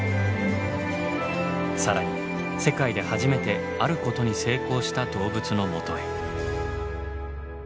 更に世界で初めてあることに成功した動物のもとへ。